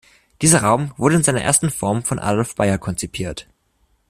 Dieser Raum wurde in seiner ersten Form von Adolf Bayer konzipiert.